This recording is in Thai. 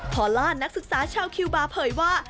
พอล่านักศึกษาชาวคิวบาร์เผยว่า